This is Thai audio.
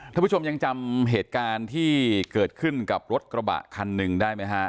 ท่านผู้ชมยังจำเหตุการณ์ที่เกิดขึ้นกับรถกระบะคันหนึ่งได้ไหมฮะ